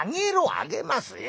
「上げますよ。